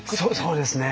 そうですね。